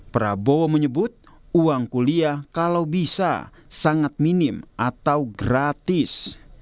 prabowo menyebut uang kuliah kalau bisa sangat minim atau gratis